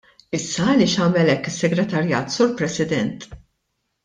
Issa għaliex għamel hekk is-segretarjat, Sur President?